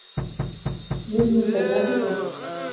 يَجْنِي الْفَلاَحُ الْقُطْنَ.